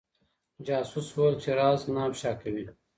جاسوس وويل چي راز نه افشا کوي.